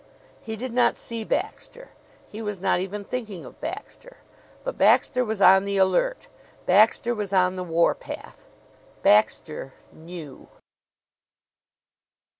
He did not see Baxter. He was not even thinking of Baxter; but Baxter was on the alert. Baxter was on the warpath. Baxter knew!